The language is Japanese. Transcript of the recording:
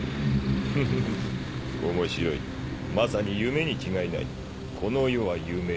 フフフ面白いまさに夢に違いないこの世は夢。